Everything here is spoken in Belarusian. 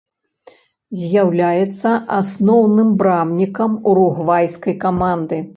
З'яўляецца асноўным брамнікам уругвайскай каманды.